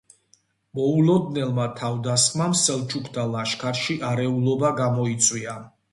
მოულოდნელმა თავდასხმამ სელჩუკთა ლაშქარში არეულობა გამოიწვია.